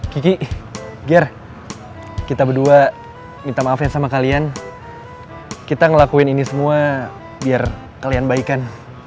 kiki biar kita berdua minta maafin sama kalian kita ngelakuin ini semua biar kalian baikan